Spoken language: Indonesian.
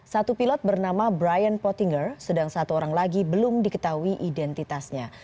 satu pilot bernama brian pottinger sedang satu orang lagi belum diketahui identitasnya